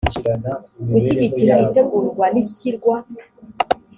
gushyigikira itegurwa n ishyirwa